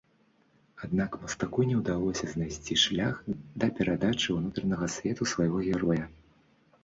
Аднак мастаку не ўдалося знайсці шлях да перадачы ўнутранага свету свайго героя.